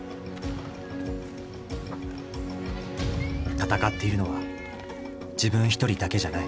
戦っているのは自分一人だけじゃない。